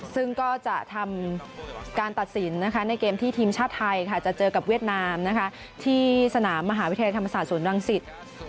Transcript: ซึ่งก็จะทำการตัดสินในเกมที่ทีมชาติไทยจะเจอกับเวียดนามที่สนามมหาวิทยาลัยธรรมศาสตร์ศูนย์รังสิต